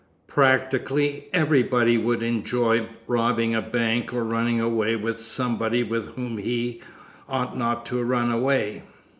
Practically everybody would enjoy robbing a bank or running away with somebody with whom he ought not to run away.